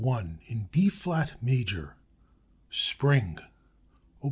1, IN B FLAT MAJOR ["SPRING"]: Op.